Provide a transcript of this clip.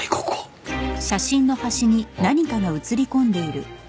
あっ。